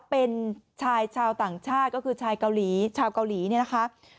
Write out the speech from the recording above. เป็นชายชาวต่างชาติก็คือชายเกาหลีชาวเกาหลีเนี่ยนะคะ